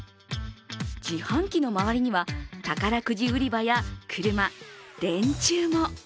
自販機の周りには宝くじ売り場や車、電柱も。